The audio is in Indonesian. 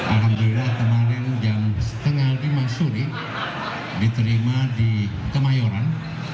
alhamdulillah kemarin jam setengah lima sore diterima di kemayoran